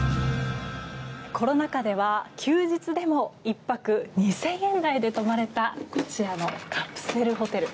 コロナ禍では、休日でも１泊２０００円台で泊まれたこちらのカプセルホテル。